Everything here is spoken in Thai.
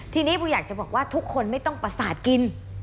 ทีนี้ปูอยากจะบอกว่าทุกคนไม่ต้องประสาทกิน